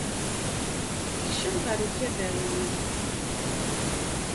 Tekcem ɣer ukabar-nni.